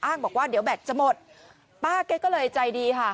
บอกว่าเดี๋ยวแบตจะหมดป้าแกก็เลยใจดีค่ะ